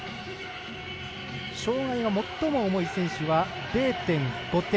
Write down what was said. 障がいが最も重い選手は０．５点。